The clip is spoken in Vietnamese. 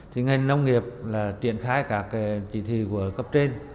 thì ngành nông nghiệp là triển khai các chỉ thị của cấp trên